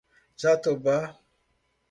Jatobá